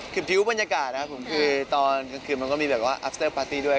คือผิวบรรยากาศนะครับผมคือตอนกลางคืนมันก็มีแบบว่าอัสเตอร์ปาร์ตี้ด้วย